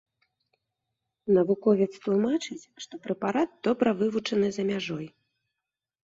Навуковец тлумачыць, што прэпарат добра вывучаны за мяжой.